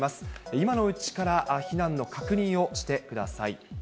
今のうちから避難の確認をしてください。